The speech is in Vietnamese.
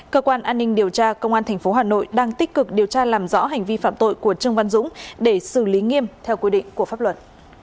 cơ quan an ninh điều tra công an tp hà nội đang tích cực điều tra làm rõ hành vi phạm tội của trương văn dũng để xử lý nghiêm theo quy định của pháp luật